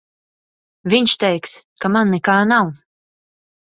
Viņš teiks, ka man nekā nav.